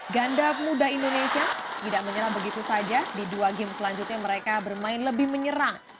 ganda muda indonesia tidak menyerang begitu saja di dua game selanjutnya mereka bermain lebih menyerang